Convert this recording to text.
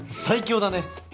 最強だね！